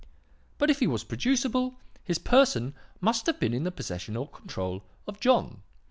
But if he was producible, his person must have been in the possession or control of John.